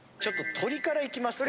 鶏からいきます？